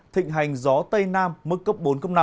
thịnh hành gió tây nam mức cấp bốn năm